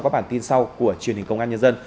về công an nhân dân